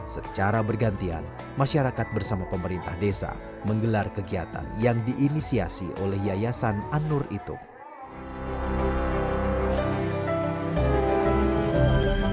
secara bergantian masyarakat bersama pemerintah desa menggelar kegiatan yang diinisiasi oleh yayasan anur itu